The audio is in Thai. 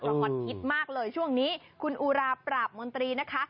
ฮอตฮิตมากเลยช่วงนี้คุณอุราปราบมนตรีนะคะ